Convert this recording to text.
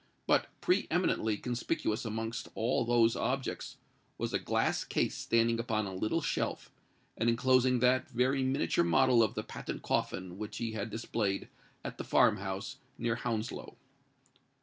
But, pre eminently conspicuous amongst all those objects, was a glass case standing upon a little shelf, and enclosing that very miniature model of the patent coffin which he had displayed at the farm house near Hounslow.